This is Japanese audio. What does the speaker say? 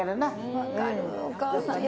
分かる、お母さん。